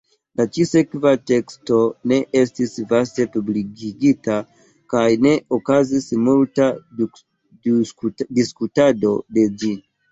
La ĉi-sekva teksto ne estis vaste publikigita kaj ne okazis multa diskutado de ĝi.